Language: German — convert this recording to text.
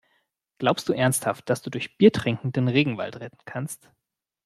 Glaubst du ernsthaft, dass du durch Biertrinken den Regenwald retten kannst?